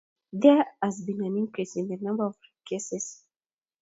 There has been an increase in the number of rape cases.